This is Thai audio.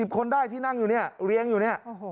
๔๐คนได้ที่นั่งอยู่นี่เลี้ยงอยู่นี่